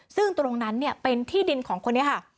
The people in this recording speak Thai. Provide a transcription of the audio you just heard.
ซึ่งตรงนั้นเป็นที่ดินของคนนี้ค่ะ